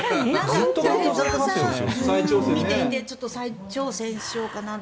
太蔵さんを見ていて再挑戦しようかなって。